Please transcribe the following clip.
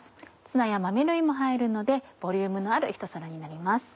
ツナや豆類も入るのでボリュームのあるひと皿になります。